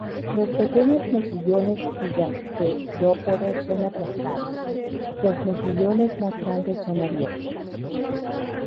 Los pequeños mejillones y gasterópodos son aplastados, los mejillones más grandes son abiertos.